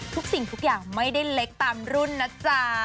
สิ่งทุกอย่างไม่ได้เล็กตามรุ่นนะจ๊ะ